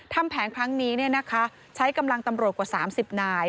ทำแผงครั้งนี้เนี่ยนะคะใช้กำลังตำรวจกว่า๓๐นาย